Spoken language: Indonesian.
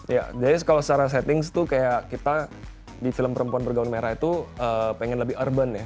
ya jadi kalau secara setting tuh kayak kita di film perempuan bergaun merah itu pengen lebih urban ya